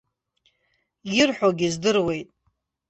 Ирҳәогьы здыруеит.